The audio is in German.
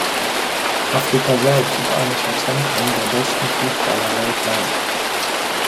Afrika selbst ist eines der Zentren der besten Fußballer weltweit.